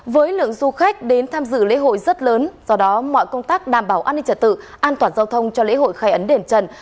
với lượng du khách đến tham dự lễ hội rất lớn do đó mọi công tác đảm bảo an ninh trật tự an toàn giao thông cho lễ hội khai ấn đền trần